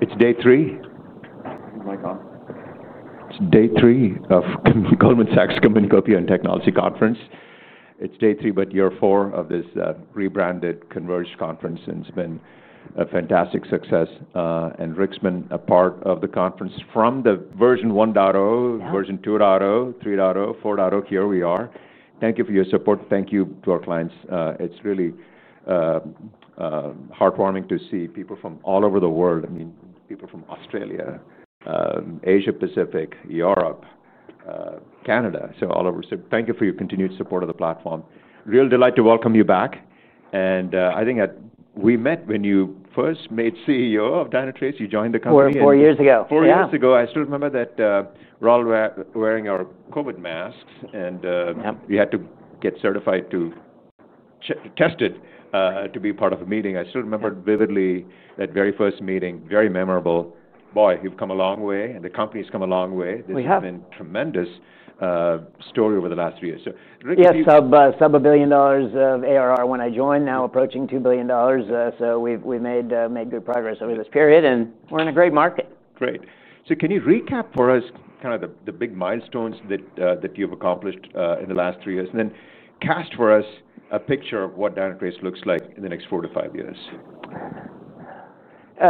It's day three. Mic off. It's day three of the Goldman Sachs Communication and Technology Conference. It's day three, but year four of this rebranded converged conference, and it's been a fantastic success. Rick's been a part of the conference from version 1.0, version 2.0, 3.0, 4.0. Here we are. Thank you for your support. Thank you to our clients. It's really heartwarming to see people from all over the world. I mean, people from Australia, Asia-Pacific, Europe, Canada, all over. Thank you for your continued support of the platform. Real delight to welcome you back. I think we met when you first made CEO of Dynatrace. You joined the company. Four years ago. Four years ago, I still remember that we were all wearing our COVID masks, and we had to get certified to test it to be part of a meeting. I still remember vividly that very first meeting, very memorable. Boy, you've come a long way, and the company's come a long way. We have. It's been a tremendous story over the last three years. Yes, sub $1 billion ARR when I joined, now approaching $2 billion. We've made good progress over this period, and we're in a great market. Great. Can you recap for us kind of the big milestones that you've accomplished in the last three years, and then cast for us a picture of what Dynatrace looks like in the next four to five years?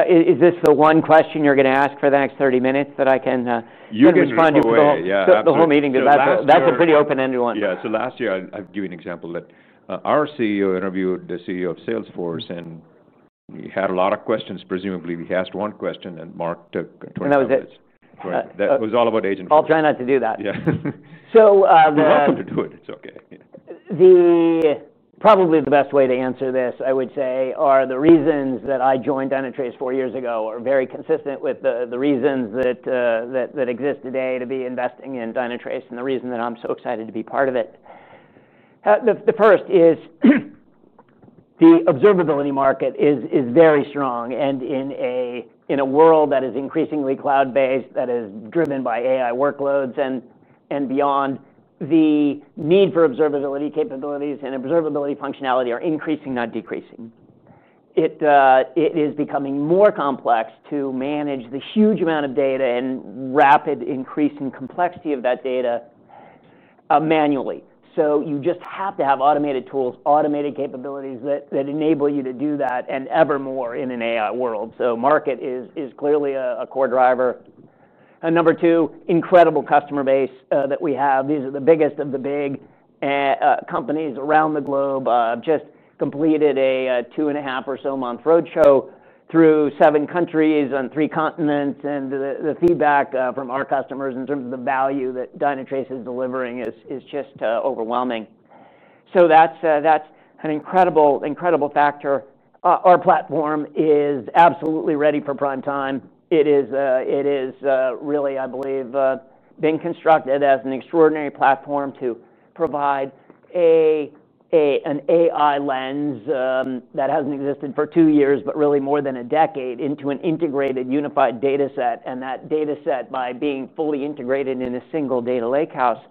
Is this the one question you're going to ask for the next 30 minutes that I can respond to? You can explain it. The whole meeting? That's a pretty open-ended one. Last year, I'll give you an example. Our CEO interviewed the CEO of Salesforce, and he had a lot of questions. Presumably, he asked one question, and Mark took 20 minutes. That was it. That was all about agents. I'll try not to do that. You're welcome to do it. It's OK. Probably the best way to answer this, I would say, is the reasons that I joined Dynatrace four years ago are very consistent with the reasons that exist today to be investing in Dynatrace, and the reason that I'm so excited to be part of it. The first is the observability market is very strong. In a world that is increasingly cloud-based, that is driven by AI workloads and beyond, the need for observability capabilities and observability functionality are increasing, not decreasing. It is becoming more complex to manage the huge amount of data and rapid increase in complexity of that data manually. You just have to have automated tools, automated capabilities that enable you to do that, and ever more in an AI world. The market is clearly a core driver. Number two, incredible customer base that we have. These are the biggest of the big companies around the globe. I've just completed a 2.5 or so month roadshow through seven countries on three continents, and the feedback from our customers in terms of the value that Dynatrace is delivering is just overwhelming. That's an incredible, incredible factor. Our platform is absolutely ready for prime time. It is really, I believe, being constructed as an extraordinary platform to provide an AI lens that hasn't existed for two years, but really more than a decade, into an integrated unified data set. That data set, by being fully integrated in a single data lakehouse,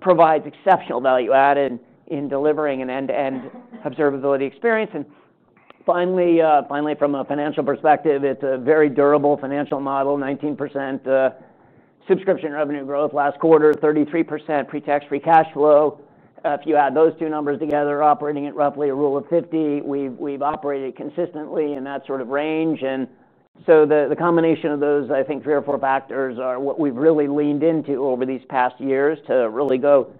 provides exceptional value add in delivering an end-to-end observability experience. Finally, from a financial perspective, it's a very durable financial model. 19% subscription revenue growth last quarter, 33% pre-tax free cash flow. If you add those two numbers together, operating at roughly a rule of 50, we've operated consistently in that sort of range. The combination of those, I think, three or four factors are what we've really leaned into over these past years to really go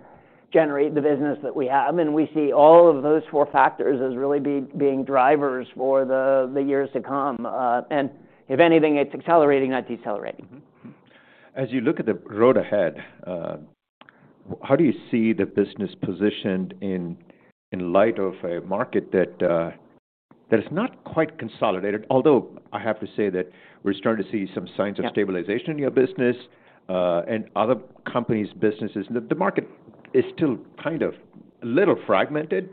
generate the business that we have. We see all of those four factors as really being drivers for the years to come. If anything, it's accelerating, IT accelerating. As you look at the road ahead, how do you see the business positioned in light of a market that is not quite consolidated? I have to say that we're starting to see some signs of stabilization in your business and other companies' businesses. The market is still kind of a little fragmented.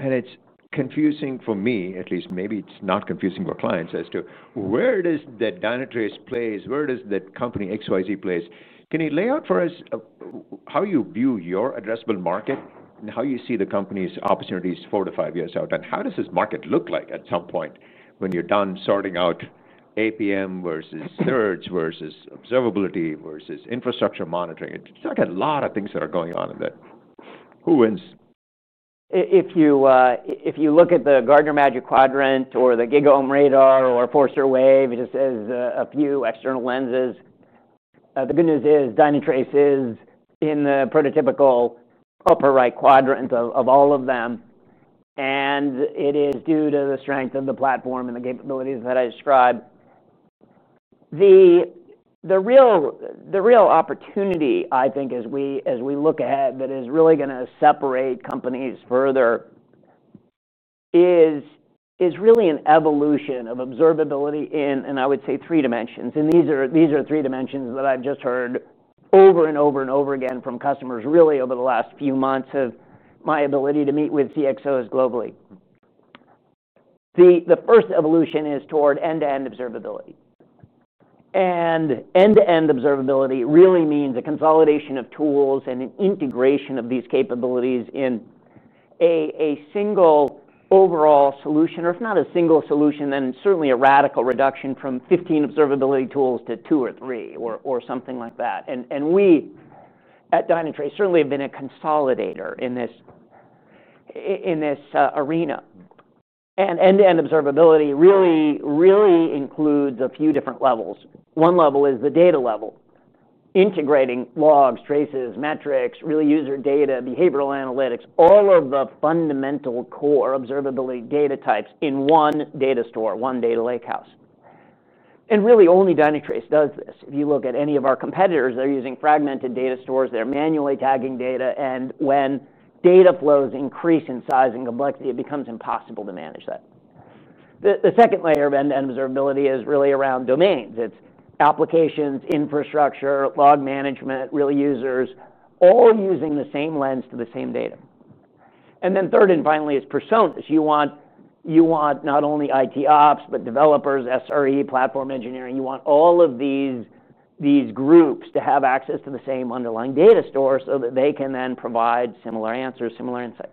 It's confusing for me, at least maybe it's not confusing for clients as to where does Dynatrace place, where does that company XYZ place. Can you lay out for us how you view your addressable market and how you see the company's opportunities four to five years out? How does this market look like at some point when you're done sorting out APM versus thirds versus observability versus infrastructure monitoring? It's like a lot of things that are going on in there. Who wins? If you look at the Gartner Magic Quadrant or the GigaOm Radar or Forrester Wave, it just has a few external lenses. The good news is Dynatrace is in the prototypical upper right quadrant of all of them. It is due to the strength of the platform and the capabilities that I described. The real opportunity, I think, as we look ahead, that is really going to separate companies further is really an evolution of observability in, and I would say, three dimensions. These are three dimensions that I've just heard over and over and over again from customers really over the last few months of my ability to meet with CXOs globally. The first evolution is toward end-to-end observability. End-to-end observability really means a consolidation of tools and an integration of these capabilities in a single overall solution. If not a single solution, then certainly a radical reduction from 15 observability tools to two or three or something like that. We at Dynatrace certainly have been a consolidator in this arena. End-to-end observability really includes a few different levels. One level is the data level, integrating logs, traces, metrics, really user data, behavioral analytics, all of the fundamental core observability data types in one data store, one data lakehouse. Only Dynatrace does this. If you look at any of our competitors, they're using fragmented data stores. They're manually tagging data. When data flows increase in size and complexity, it becomes impossible to manage that. The second layer of end-to-end observability is really around domains. It's applications, infrastructure, log management, really users, all using the same lens to the same data. Third and finally is personas. You want not only IT Ops, but developers, SRE, platform engineering. You want all of these groups to have access to the same underlying data store so that they can then provide similar answers, similar insights.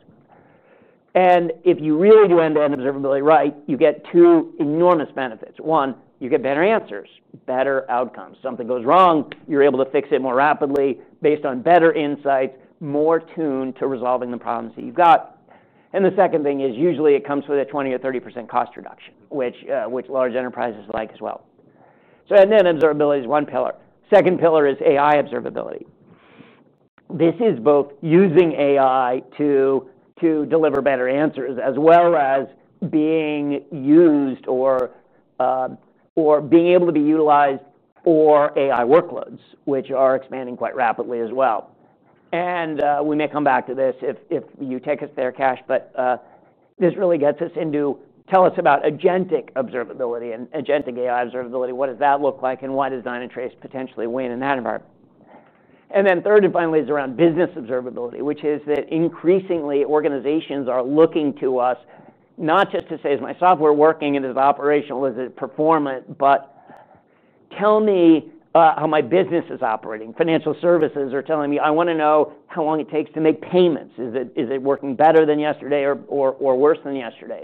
If you really do end-to-end observability right, you get two enormous benefits. One, you get better answers, better outcomes. Something goes wrong, you're able to fix it more rapidly based on better insights, more tuned to resolving the problems that you've got. The second thing is usually it comes with a 20% or 30% cost reduction, which large enterprises like as well. End-to-end observability is one pillar. The second pillar is AI observability. This is both using AI to deliver better answers, as well as being used or being able to be utilized for AI workloads, which are expanding quite rapidly as well. We may come back to this if you take us there, Cash. This really gets us into, tell us about agentic observability and agentic AI observability. What does that look like, and why does Dynatrace potentially win in that environment? Third and finally is around business observability, which is that increasingly organizations are looking to us not just to say, is my software working, and is it operational, is it performant, but tell me how my business is operating. Financial services are telling me, I want to know how long it takes to make payments. Is it working better than yesterday or worse than yesterday?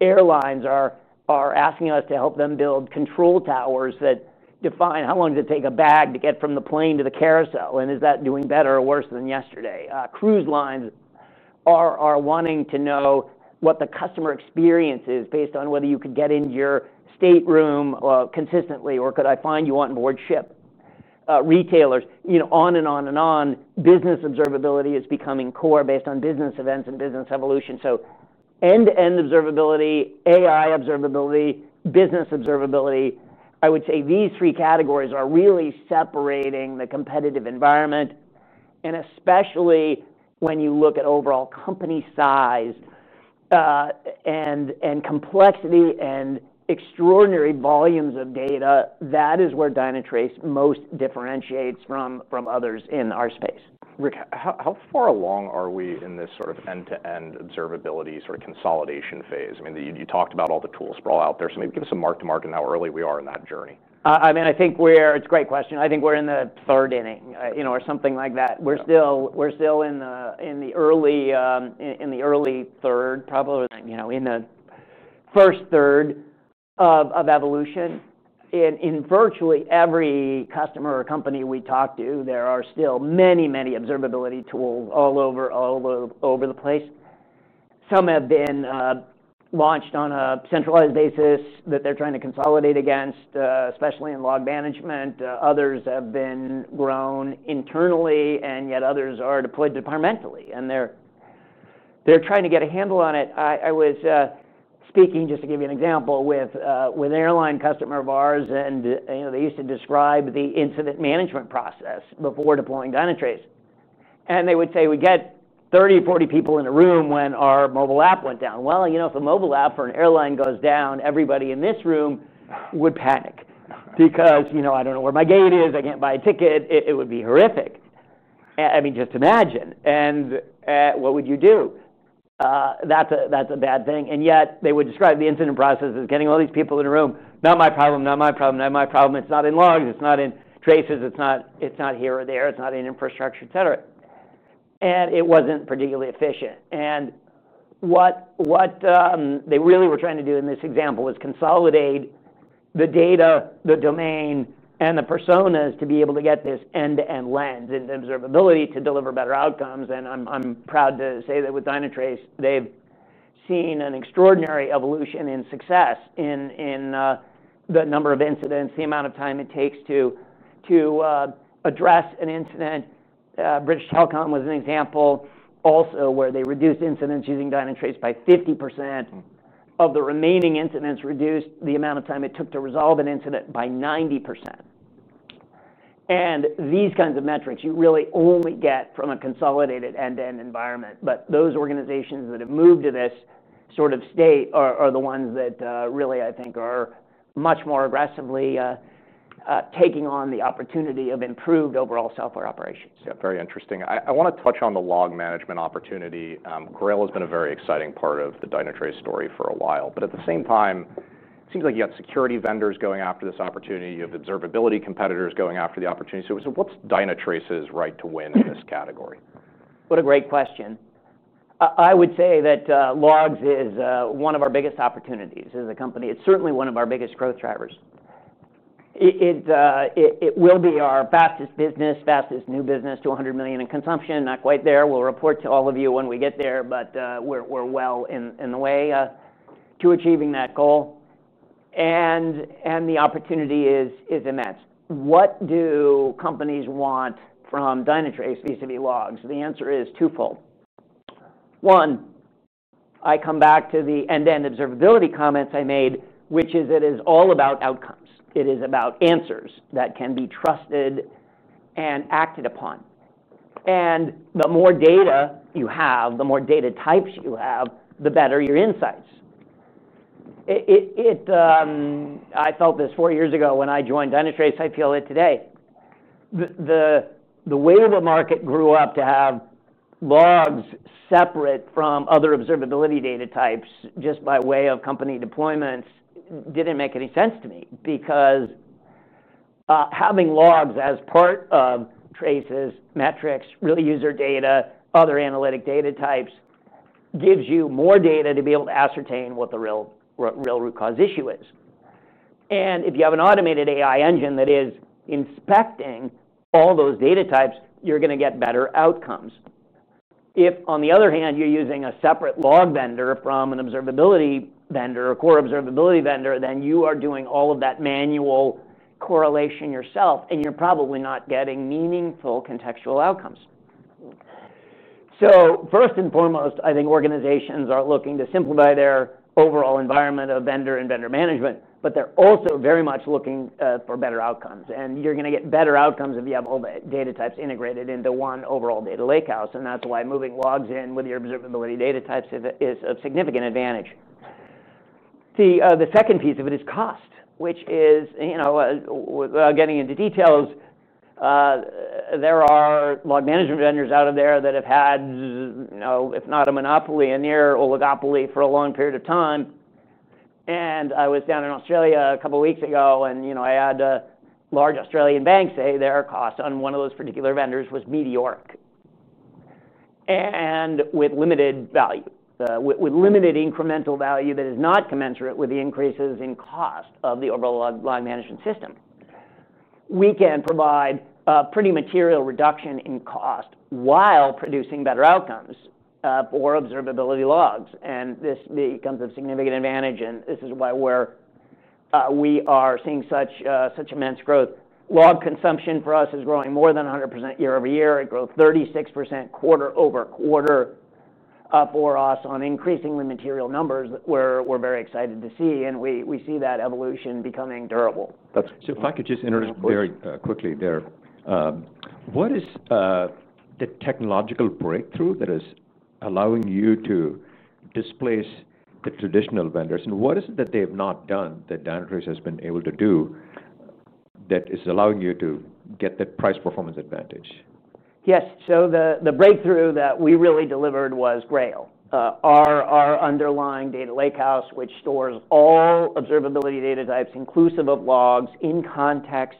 Airlines are asking us to help them build control towers that define how long does it take a bag to get from the plane to the carousel, and is that doing better or worse than yesterday? Cruise lines are wanting to know what the customer experience is based on whether you could get into your stateroom consistently, or could I find you on board ship? Retailers, you know, on and on and on. Business observability is becoming core based on business events and business evolution. End-to-end observability, AI observability, business observability, I would say these three categories are really separating the competitive environment. Especially when you look at overall company size and complexity and extraordinary volumes of data, that is where Dynatrace most differentiates from others in our space. Rick, how far along are we in this sort of end-to-end observability consolidation phase? I mean, you talked about all the tools that are out there. Maybe give us a mark to mark in how early we are in that journey. I mean, I think we're, it's a great question. I think we're in the third inning, you know, or something like that. We're still in the early third, probably in the first third of evolution. In virtually every customer or company we talk to, there are still many, many observability tools all over the place. Some have been launched on a centralized basis that they're trying to consolidate against, especially in log management. Others have been grown internally, and yet others are deployed departmentally. They're trying to get a handle on it. I was speaking, just to give you an example, with an airline customer of ours, and they used to describe the incident management process before deploying Dynatrace. They would say, we get 30, 40 people in a room when our mobile app went down. If a mobile app for an airline goes down, everybody in this room would panic. Because, you know, I don't know where my gate is, I can't buy a ticket. It would be horrific. I mean, just imagine. What would you do? That's a bad thing. They would describe the incident process as getting all these people in a room. Not my problem, not my problem, not my problem. It's not in logs, it's not in traces, it's not here or there, it's not in infrastructure, et cetera. It wasn't particularly efficient. What they really were trying to do in this example was consolidate the data, the domain, and the personas to be able to get this end-to-end lens and observability to deliver better outcomes. I'm proud to say that with Dynatrace, they've seen an extraordinary evolution in success in the number of incidents, the amount of time it takes to address an incident. British Telecom was an example also where they reduced incidents using Dynatrace by 50%. Of the remaining incidents, reduced the amount of time it took to resolve an incident by 90%. These kinds of metrics you really only get from a consolidated end-to-end environment. Those organizations that have moved to this sort of state are the ones that really, I think, are much more aggressively taking on the opportunity of improved overall software operations. Very interesting. I want to touch on the log management opportunity. Grail has been a very exciting part of the Dynatrace story for a while. At the same time, it seems like you have security vendors going after this opportunity. You have observability competitors going after the opportunity. What's Dynatrace's right to win in this category? What a great question. I would say that logs is one of our biggest opportunities as a company. It's certainly one of our biggest growth drivers. It will be our fastest business, fastest new business, to $100 million in consumption, not quite there. We'll report to all of you when we get there. We're well in the way to achieving that goal, and the opportunity is immense. What do companies want from Dynatrace vis-à-vis logs? The answer is twofold. One, I come back to the end-to-end observability comments I made, which is it is all about outcomes. It is about answers that can be trusted and acted upon. The more data you have, the more data types you have, the better your insights. I felt this four years ago when I joined Dynatrace. I feel it today. The way the market grew up to have logs separate from other observability data types just by way of company deployments didn't make any sense to me, because having logs as part of traces, metrics, really user data, other analytic data types gives you more data to be able to ascertain what the real root cause issue is. If you have an automated AI engine that is inspecting all those data types, you're going to get better outcomes. If, on the other hand, you're using a separate log vendor from an observability vendor or core observability vendor, then you are doing all of that manual correlation yourself, and you're probably not getting meaningful contextual outcomes. First and foremost, I think organizations are looking to simplify their overall environment of vendor and vendor management. They're also very much looking for better outcomes. You're going to get better outcomes if you have all the data types integrated into one overall data lakehouse, and that's why moving logs in with your observability data types is a significant advantage. The second piece of it is cost, which is, without getting into details, there are log management vendors out there that have had, if not a monopoly, a near oligopoly for a long period of time. I was down in Australia a couple of weeks ago, and I had a large Australian bank say their cost on one of those particular vendors was meteoric, with limited value, with limited incremental value that is not commensurate with the increases in cost of the overall log management system. We can provide a pretty material reduction in cost while producing better outcomes for observability logs, and this becomes a significant advantage. This is why we are seeing such immense growth. Log consumption for us is growing more than 100% year-over-year. It grew 36% quarter-over-quarter for us on increasingly material numbers that we're very excited to see. We see that evolution becoming durable. If I could just interject very quickly there, what is the technological breakthrough that is allowing you to displace the traditional vendors? What is it that they have not done that Dynatrace has been able to do that is allowing you to get that price performance advantage? Yes. The breakthrough that we really delivered was Grail. Our underlying data lakehouse, which stores all observability data types, inclusive of logs, in context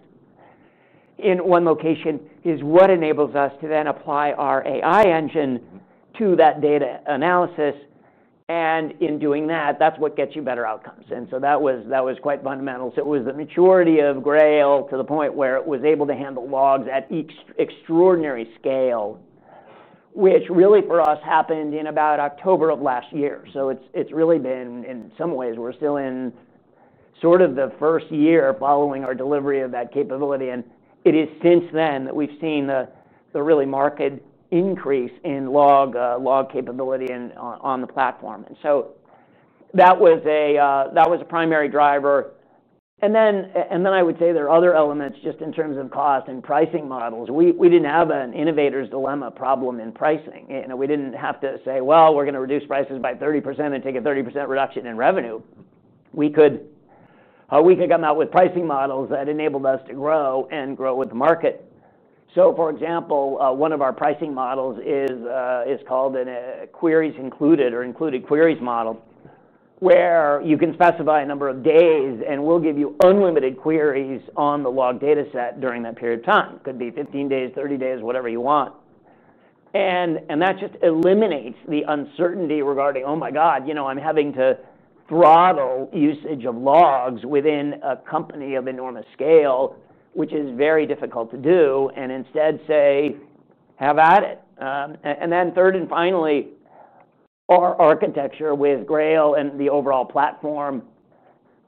in one location, is what enables us to then apply our AI engine to that data analysis. In doing that, that's what gets you better outcomes. That was quite fundamental. It was the maturity of Grail to the point where it was able to handle logs at extraordinary scale, which really for us happened in about October of last year. In some ways, we're still in sort of the first year following our delivery of that capability. It is since then that we've seen the really marked increase in log capability on the platform. That was a primary driver. I would say there are other elements just in terms of cost and pricing models. We didn't have an innovator's dilemma problem in pricing. We didn't have to say, we're going to reduce prices by 30% and take a 30% reduction in revenue. We could come out with pricing models that enabled us to grow and grow with the market. For example, one of our pricing models is called a queries included or included queries model, where you can specify a number of days, and we'll give you unlimited queries on the log data set during that period of time. It could be 15 days, 30 days, whatever you want. That just eliminates the uncertainty regarding, oh my god, you know, I'm having to throttle usage of logs within a company of enormous scale, which is very difficult to do. Instead, say, have at it. Third and finally, our architecture with Grail and the overall platform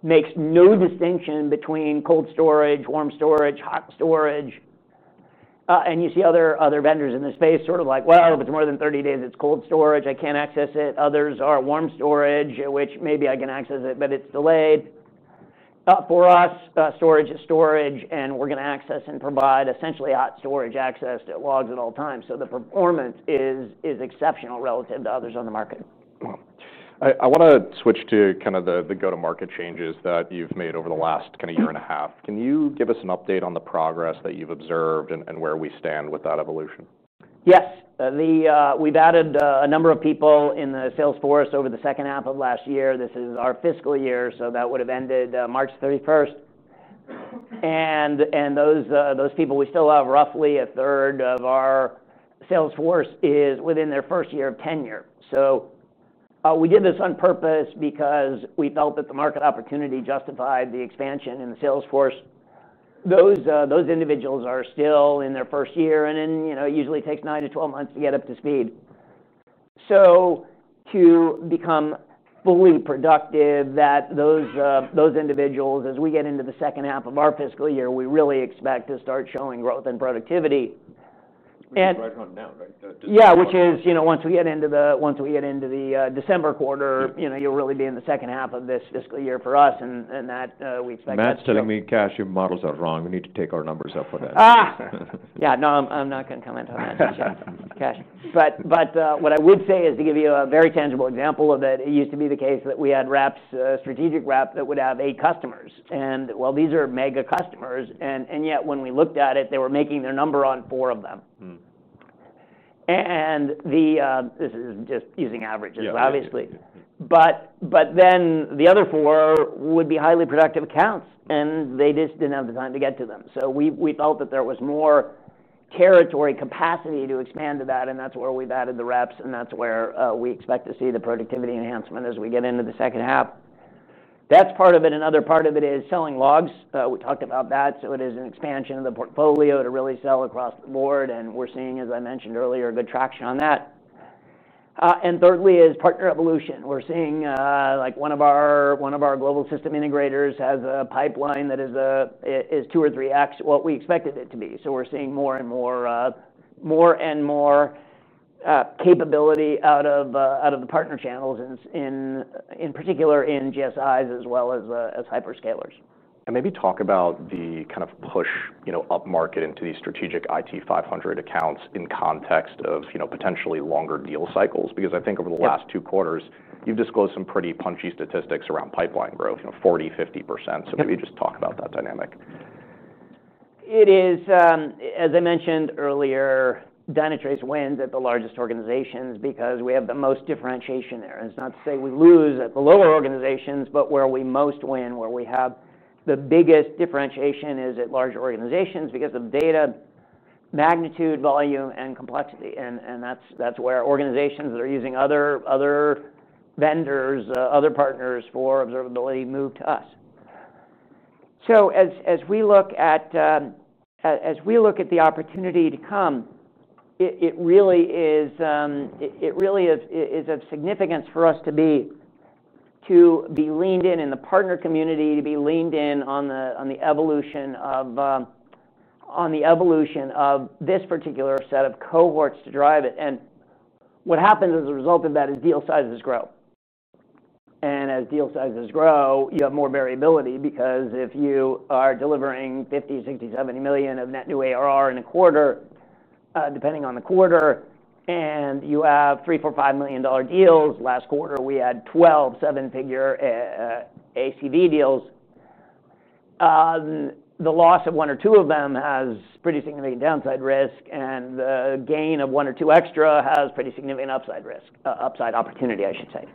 makes no distinction between cold storage, warm storage, hot storage. You see other vendors in this space sort of like, if it's more than 30 days, it's cold storage. I can't access it. Others are warm storage, which maybe I can access it, but it's delayed. For us, storage is storage, and we're going to access and provide essentially hot storage access to logs at all times. The performance is exceptional relative to others on the market. I want to switch to kind of the go-to-market changes that you've made over the last kind of year and a half. Can you give us an update on the progress that you've observed and where we stand with that evolution? Yes. We've added a number of people in the Salesforce over the second half of last year. This is our fiscal year, so that would have ended March 31. Those people, we still have roughly a third of our Salesforce within their first year of tenure. We did this on purpose because we felt that the market opportunity justified the expansion in the Salesforce. Those individuals are still in their first year, and it usually takes 9-12 months to get up to speed. To become fully productive, those individuals, as we get into the second half of our fiscal year, we really expect to start showing growth and productivity. Right on down, right? Yeah, once we get into the December quarter, you'll really be in the second half of this fiscal year for us. We expect to see that. Imagine telling me, Cash, your models are wrong. We need to take our numbers up for that. Yeah, no, I'm not going to comment on that, Cash. What I would say is to give you a very tangible example of that. It used to be the case that we had reps, a strategic rep that would have eight customers. These are mega customers. Yet when we looked at it, they were making their number on four of them. This is just using averages, obviously. The other four would be highly productive accounts, and they just didn't have the time to get to them. We felt that there was more territory capacity to expand to that. That's where we've added the reps, and that's where we expect to see the productivity enhancement as we get into the second half. That's part of it. Another part of it is selling logs. We talked about that. It is an expansion of the portfolio to really sell across the board. We're seeing, as I mentioned earlier, good traction on that. Thirdly is partner evolution. We're seeing like one of our global system integrators has a pipeline that is 2x or 3x what we expected it to be. We're seeing more and more capability out of the partner channels, in particular in GSIs as well as hyperscalers. Maybe talk about the kind of push up market into these strategic IT 500 accounts in context of potentially longer deal cycles. I think over the last two quarters, you've disclosed some pretty punchy statistics around pipeline growth, you know, 40%, 50%. Maybe just talk about that dynamic. It is, as I mentioned earlier, Dynatrace wins at the largest organizations because we have the most differentiation there. It's not to say we lose at the lower organizations, but where we most win, where we have the biggest differentiation, is at large organizations because of data, magnitude, volume, and complexity. That's where organizations that are using other vendors, other partners for observability move to us. As we look at the opportunity to come, it really is of significance for us to be leaned in in the partner community, to be leaned in on the evolution of this particular set of cohorts to drive it. What happens as a result of that is deal sizes grow. As deal sizes grow, you have more variability because if you are delivering $50 million, $60 million, $70 million of net new ARR in a quarter, depending on the quarter, and you have $3 million, $4 million, $5 million deals. Last quarter, we had 12 seven-figure ACV deals. The loss of one or two of them has pretty significant downside risk, and the gain of one or two extra has pretty significant upside risk, upside opportunity, I should say.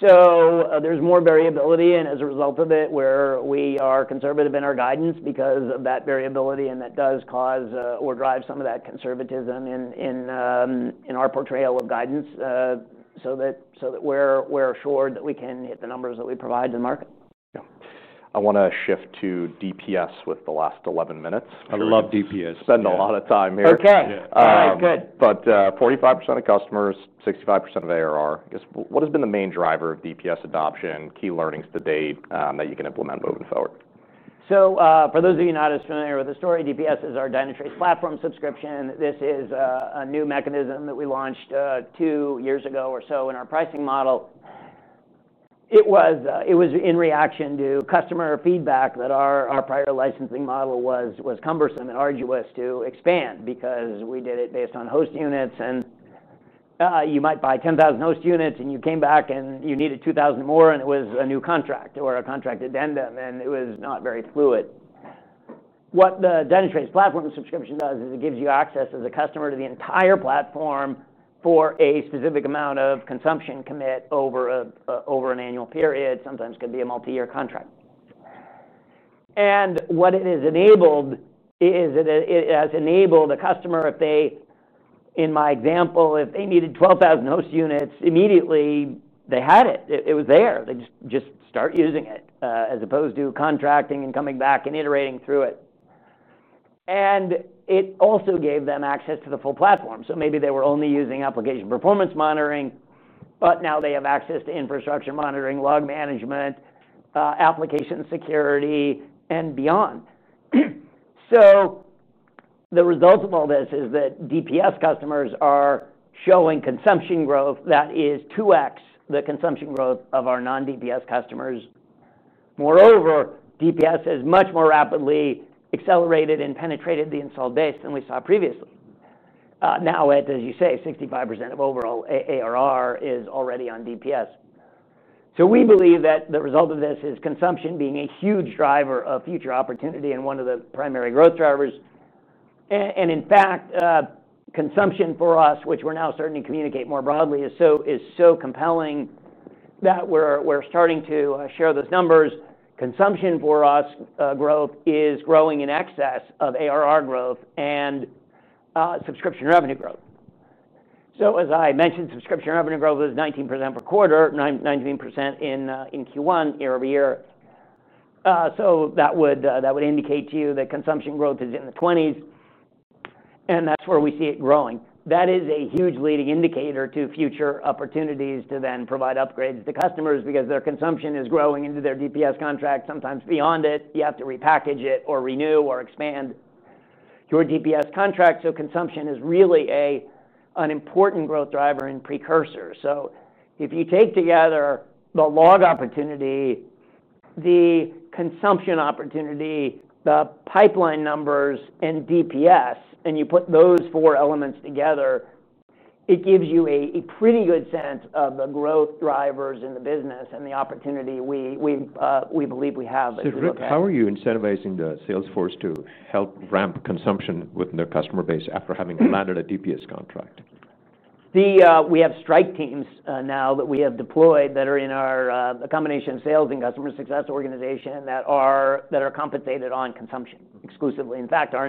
There's more variability. As a result of it, we are conservative in our guidance because of that variability. That does cause or drive some of that conservatism in our portrayal of guidance so that we're assured that we can hit the numbers that we provide to the market. Yeah. I want to shift to DPS with the last 11 minutes. love DPS We spend a lot of time here. OK. All right. Good. Forty-five percent of customers, 65% of ARR. What has been the main driver of DPS adoption, key learnings to date that you can implement moving forward? For those of you not as familiar with the story, DPS is our Dynatrace Platform Subscription. This is a new mechanism that we launched two years ago or so in our pricing model. It was in reaction to customer feedback that our prior licensing model was cumbersome and arduous to expand because we did it based on host units. You might buy 10,000 host units, and you came back and you needed 2,000 more, and it was a new contract or a contract addendum. It was not very fluid. What the Dynatrace Platform Subscription does is it gives you access as a customer to the entire platform for a specific amount of consumption commit over an annual period. Sometimes it could be a multi-year contract. What it has enabled is that it has enabled a customer, if they, in my example, if they needed 12,000 host units, immediately they had it. It was there. They just start using it as opposed to contracting and coming back and iterating through it. It also gave them access to the full platform. Maybe they were only using application performance monitoring, but now they have access to infrastructure monitoring, log management, application security, and beyond. The result of all this is that DPS customers are showing consumption growth that is 2x the consumption growth of our non-DPS customers. Moreover, DPS has much more rapidly accelerated and penetrated the installed base than we saw previously. Now, as you say, 65% of overall ARR is already on DPS. We believe that the result of this is consumption being a huge driver of future opportunity and one of the primary growth drivers. In fact, consumption for us, which we're now starting to communicate more broadly, is so compelling that we're starting to share those numbers. Consumption for us growth is growing in excess of ARR growth and subscription revenue growth. As I mentioned, subscription revenue growth is 19% per quarter, 19% in Q1, year-over-year. That would indicate to you that consumption growth is in the 20s. That's where we see it growing. That is a huge leading indicator to future opportunities to then provide upgrades to customers because their consumption is growing into their DPS contract, sometimes beyond it. You have to repackage it or renew or expand your DPS contract. Consumption is really an important growth driver and precursor. If you take together the log opportunity, the consumption opportunity, the pipeline numbers, and DPS, and you put those four elements together, it gives you a pretty good sense of the growth drivers in the business and the opportunity we believe we have as a company. How are you incentivizing the Salesforce to help ramp consumption with their customer base after having landed a DPS contract? We have strike teams now that we have deployed that are in our combination sales and customer success organization that are compensated on consumption exclusively. In fact, our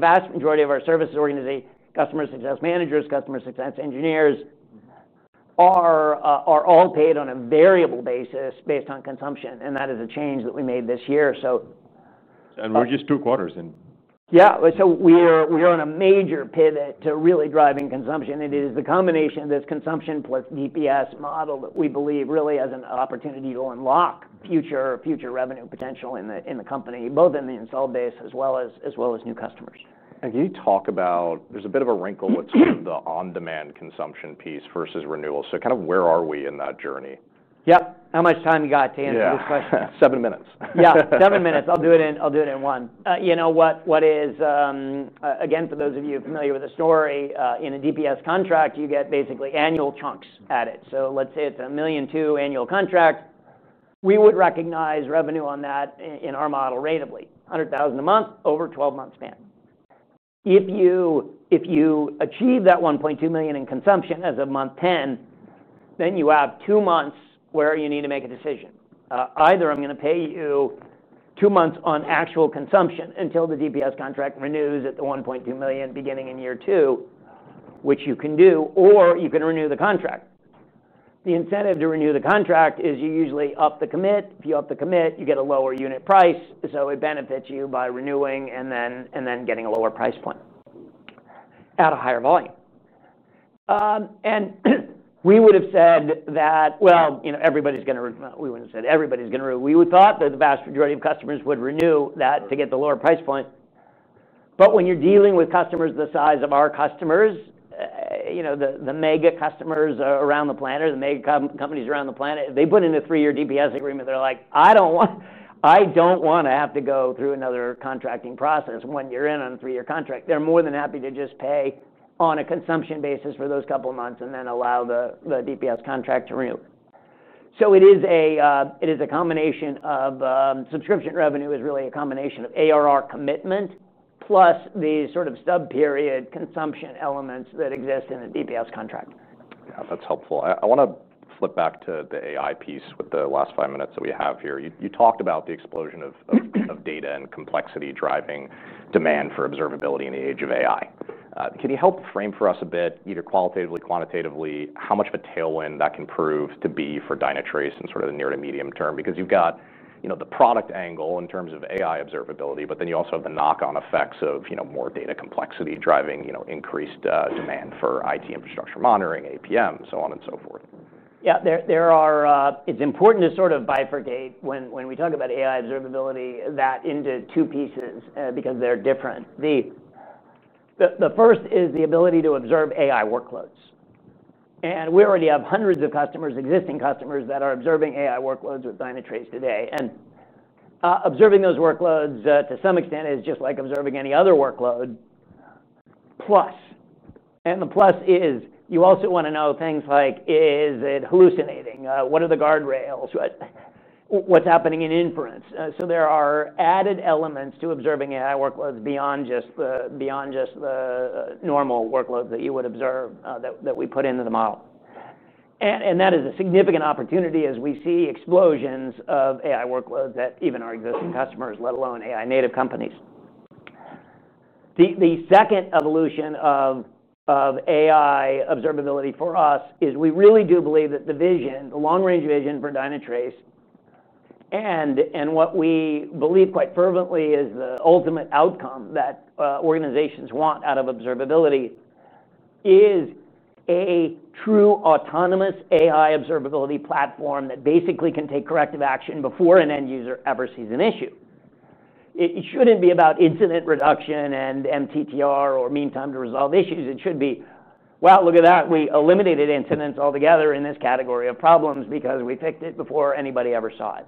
vast majority of our services organization, Customer Success Managers, Customer Success Engineers are all paid on a variable basis based on consumption. That is a change that we made this year. We're just two quarters in. We are on a major pivot to really driving consumption. It is the combination of this consumption plus DPS model that we believe really has an opportunity to unlock future revenue potential in the company, both in the installed base as well as new customers. Can you talk about, there's a bit of a wrinkle with the on-demand consumption piece versus renewals? Where are we in that journey? Yep. How much time you got to answer this question? Seven minutes. Yeah, seven minutes. I'll do it in one. You know what is, again, for those of you familiar with the story, in a DPS contract, you get basically annual chunks added. Let's say it's a $1.2 million annual contract. We would recognize revenue on that in our model rateably, $100,000 a month over a 12-month span. If you achieve that $1.2 million in consumption as of month 10, then you have two months where you need to make a decision. Either I'm going to pay you two months on actual consumption until the DPS contract renews at the $1.2 million beginning in year two, which you can do, or you can renew the contract. The incentive to renew the contract is you usually up the commit. If you up the commit, you get a lower unit price. It benefits you by renewing and then getting a lower price point at a higher volume. We would have said that, you know, everybody's going to renew. We wouldn't have said everybody's going to renew. We thought that the vast majority of customers would renew that to get the lower price point. When you're dealing with customers the size of our customers, you know, the mega customers around the planet, or the mega companies around the planet, they put in a three-year DPS agreement. They're like, I don't want to have to go through another contracting process when you're in on a three-year contract. They're more than happy to just pay on a consumption basis for those couple of months and then allow the DPS contract to renew. It is a combination of subscription revenue, really a combination of ARR commitment plus the sort of stub period consumption elements that exist in a DPS contract. Yeah, that's helpful. I want to flip back to the AI piece with the last five minutes that we have here. You talked about the explosion of data and complexity driving demand for observability in the age of AI. Can you help frame for us a bit, either qualitatively, quantitatively, how much of a tailwind that can prove to be for Dynatrace in sort of the near to medium term? Because you've got the product angle in terms of AI observability, but then you also have the knock-on effects of more data complexity driving increased demand for IT infrastructure monitoring, APM, so on and so forth. Yeah, it's important to sort of bifurcate when we talk about AI observability into two pieces because they're different. The first is the ability to observe AI workloads. We already have hundreds of customers, existing customers that are observing AI workloads with Dynatrace today. Observing those workloads to some extent is just like observing any other workload. Plus, and the plus is you also want to know things like, is it hallucinating? What are the guardrails? What's happening in inference? There are added elements to observing AI workloads beyond just the normal workload that you would observe that we put into the model. That is a significant opportunity as we see explosions of AI workloads at even our existing customers, let alone AI-native companies. The second evolution of AI observability for us is we really do believe that the vision, the long-range vision for Dynatrace, and what we believe quite fervently is the ultimate outcome that organizations want out of observability is a true autonomous AI observability platform that basically can take corrective action before an end user ever sees an issue. It shouldn't be about incident reduction and MTTR or meantime to resolve issues. It should be, wow, look at that. We eliminated incidents altogether in this category of problems because we fixed it before anybody ever saw it.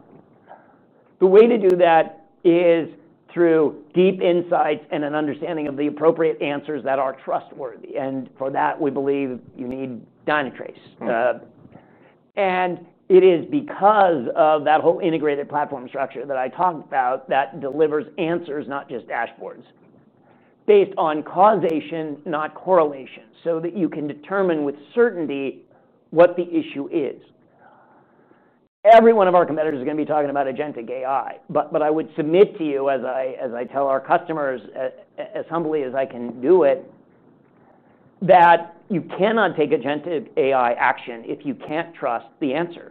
The way to do that is through deep insights and an understanding of the appropriate answers that are trustworthy. For that, we believe you need Dynatrace. It is because of that whole integrated platform structure that I talked about that delivers answers, not just dashboards, based on causation, not correlation, so that you can determine with certainty what the issue is. Every one of our competitors is going to be talking about agentic AI. I would submit to you, as I tell our customers, as humbly as I can do it, that you cannot take agentic AI action if you can't trust the answer.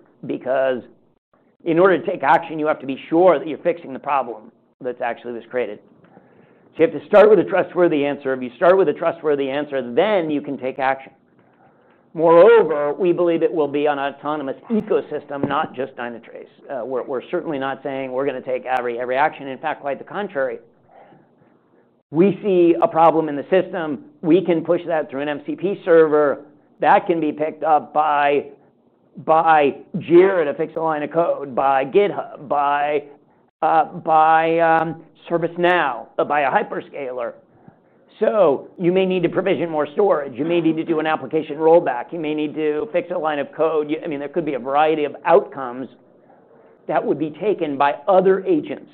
In order to take action, you have to be sure that you're fixing the problem that actually was created. You have to start with a trustworthy answer. If you start with a trustworthy answer, then you can take action. Moreover, we believe it will be an autonomous ecosystem, not just Dynatrace. We're certainly not saying we're going to take every action. In fact, quite the contrary. We see a problem in the system. We can push that through an MCP server. That can be picked up by Jira to fix a line of code, by GitHub, by ServiceNow, by a hyperscaler. You may need to provision more storage. You may need to do an application rollback. You may need to fix a line of code. There could be a variety of outcomes that would be taken by other agents.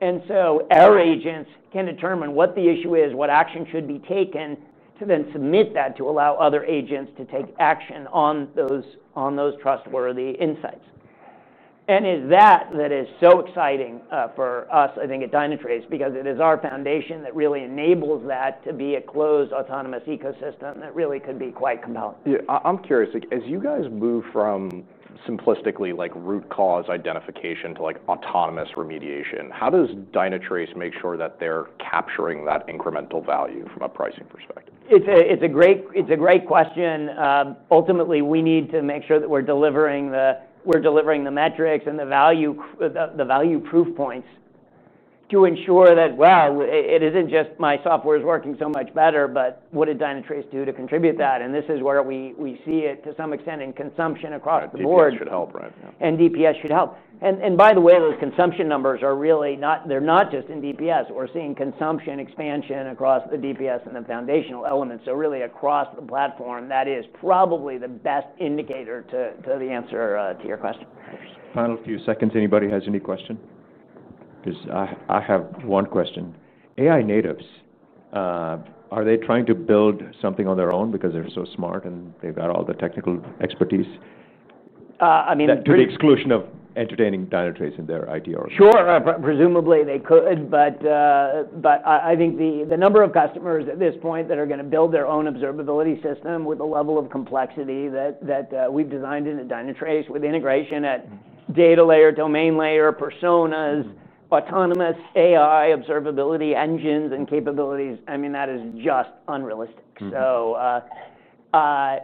Our agents can determine what the issue is, what action should be taken, to then submit that to allow other agents to take action on those trustworthy insights. It is that that is so exciting for us, I think, at Dynatrace, because it is our foundation that really enables that to be a closed autonomous ecosystem that really could be quite compelling. I'm curious, as you guys move from simplistically like root cause identification to like autonomous remediation, how does Dynatrace make sure that they're capturing that incremental value from a pricing perspective? It's a great question. Ultimately, we need to make sure that we're delivering the metrics and the value proof points to ensure that, wow, it isn't just my software is working so much better, but what did Dynatrace do to contribute to that? This is where we see it to some extent in consumption across the board. DPS should help, right? DPS should help. By the way, those consumption numbers are really not, they're not just in DPS. We're seeing consumption expansion across the DPS and the foundational elements, so really across the platform. That is probably the best indicator to the answer to your question. Final few seconds, anybody has any question? I have one question. AI natives, are they trying to build something on their own because they're so smart and they've got all the technical expertise? I mean. To the exclusion of entertaining Dynatrace in their IT org. Sure, presumably they could. I think the number of customers at this point that are going to build their own observability system with the level of complexity that we've designed into Dynatrace with integration at data layer, domain layer, personas, autonomous AI observability engines and capabilities, that is just unrealistic. I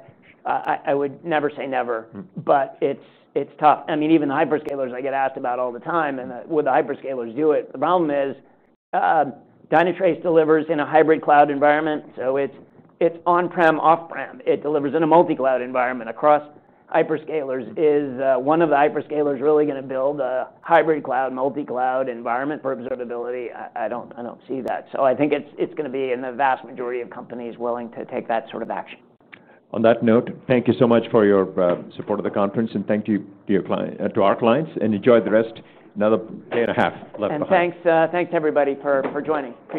would never say never. It's tough. Even the hyperscalers I get asked about all the time, would the hyperscalers do it? The problem is Dynatrace delivers in a hybrid cloud environment. It's on-prem, off-prem. It delivers in a multi-cloud environment. Across hyperscalers, is one of the hyperscalers really going to build a hybrid cloud, multi-cloud environment for observability? I don't see that. I think it's going to be in the vast majority of companies willing to take that sort of action. On that note, thank you so much for your support of the conference. Thank you to our clients, and enjoy the rest. Another day and a half left behind. Thank you to everybody for joining. Appreciate it.